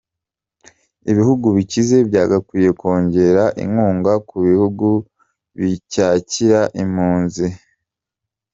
"Ibihugu bikize byagakwiye kongera inkunga ku bihugu bicyakira impunzi.